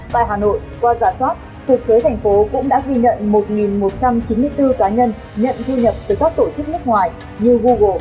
tại hà nội qua giả soát cục thuế thành phố cũng đã ghi nhận một một trăm chín mươi bốn cá nhân nhận thu nhập từ các tổ chức nước ngoài như google